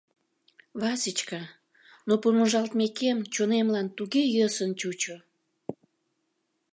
Васечка, но помыжалтмекем чонемлан туге йӧсын чучо.